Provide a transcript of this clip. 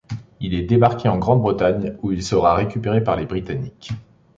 Il est débarqué en Grande-Bretagne où il sera récupéré par les Britanniques.